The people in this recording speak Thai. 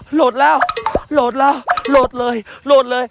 หลดแล้วหลดเลยหลดเลย